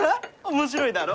面白いだろ？